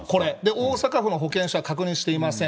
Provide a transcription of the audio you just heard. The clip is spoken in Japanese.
大阪府の保健所は確認していません。